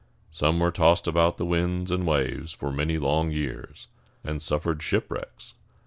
Some were tossed about by the winds and waves for many long years, and suffered shipwrecks.